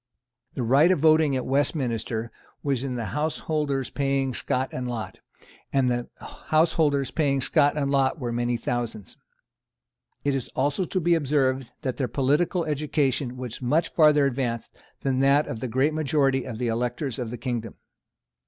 The right of voting at Westminster was in the householders paying scot and lot; and the householders paying scot and lot were many thousands. It is also to be observed that their political education was much further advanced than that of the great majority of the electors of the kingdom.